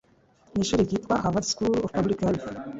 n'ishuri ryitwa 'Harvard School of Public Health',